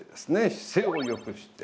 姿勢をよくして。